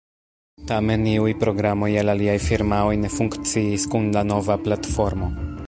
Tamen, iuj programoj el aliaj firmaoj ne funkciis kun la nova platformo.